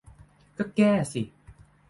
ก็แก้สิ